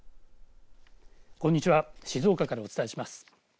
こんにちは静岡からお伝えします。